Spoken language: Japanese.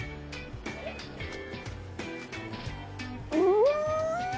うん！